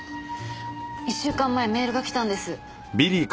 一週間前メールが来たんです。